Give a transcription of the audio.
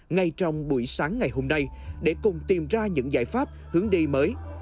ngay trong buổi sáng ngày hôm nay để cùng tìm ra những giải pháp hướng đi mới